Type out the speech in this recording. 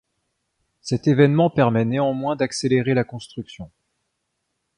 Cet évènement permet néanmoins d'accélérer la construction.